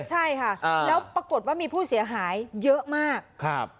ใช่ค่ะแล้วปรากฏว่ามีผู้เสียหายเยอะมากครับ